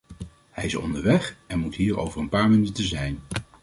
Hij is onderweg en moet hier over een paar minuten zijn.